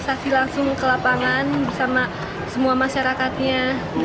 investasi langsung ke lapangan bersama semua masyarakatnya